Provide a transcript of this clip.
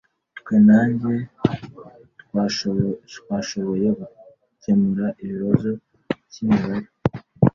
Twe na njye twashoboye gukemura ikibazo cyimibare.